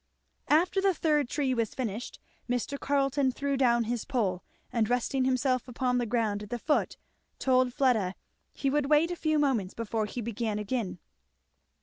After the third tree was finished Mr. Carleton threw down his pole, and resting himself upon the ground at the foot told Fleda he would wait a few moments before he began again.